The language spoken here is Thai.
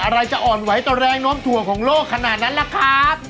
อะไรจะอ่อนไหวต่อแรงน้มถ่วงของโลกขนาดนั้นล่ะครับ